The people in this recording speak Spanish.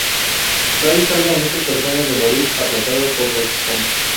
Ray salva a muchas personas de morir aplastadas por los escombros.